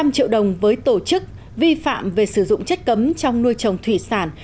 hai trăm linh triệu đồng với tổ chức vi phạm về sử dụng chất cấm trong nuôi trồng thủy sản